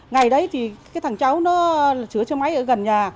ngày đấy thì cái thằng cháu nó sửa xe máy ở gần nhà